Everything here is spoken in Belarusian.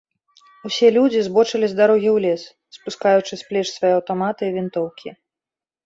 Усе людзі збочылі з дарогі ў лес, спускаючы з плеч свае аўтаматы і вінтоўкі.